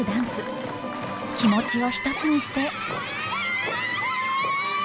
気持ちを一つにして。